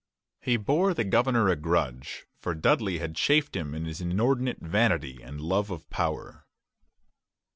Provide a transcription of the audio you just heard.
He bore the governor a grudge, for Dudley had chafed him in his inordinate vanity and love of power.